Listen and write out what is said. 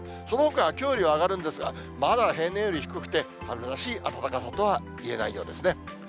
そのほかはきょうよりは上がるんですが、まだ平年より低くて、春らしい暖かさとはいえないようですね。